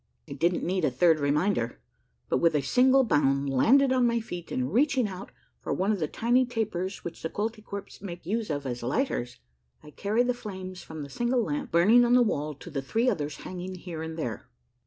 I didn't need a third reminder, but with a single bound landed on my feet, and reaching out for one of the tiny tapers which the Koltykwerps make use of as lighters, I carried the flames from the single lamp burning on the wall to the three others hanging here and there.